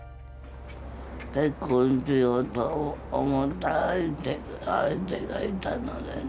結婚しようと思った相手がいたのにね。